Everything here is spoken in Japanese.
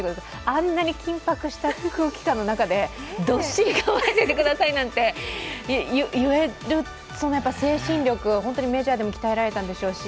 あんなに緊迫した空気感の中でどっしり構えててくださいなんて言える精神力、本当にメジャーでも鍛えられたんでしょうし